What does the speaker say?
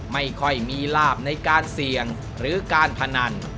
ไม่ค่อยมีลาบในการเสี่ยงหรือการพนัน